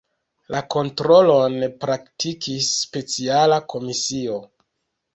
La kontrolon praktikis speciala komisio.